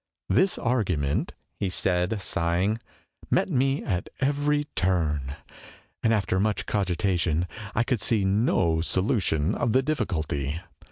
" This argument," he said, sighing, " met me at every turn ; and after much cogitation I could see no solution of the difficulty.